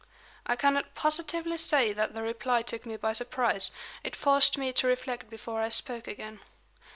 I cannot positively say that the reply took me by surprise: it forced me to reflect before I spoke again.